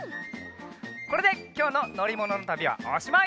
これできょうののりもののたびはおしまい！